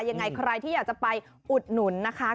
ยังไงใครที่อยากจะไปอุดหนุนนะคะ